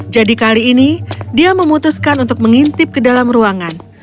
jadi kali ini dia memutuskan untuk mengintip ke dalam ruangan